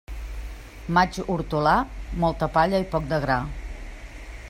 Maig hortolà, molta palla i poc de gra.